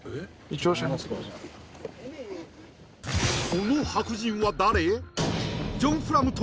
この白人は誰？